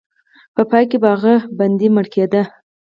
په پای کې به هغه بندي مړ کېده.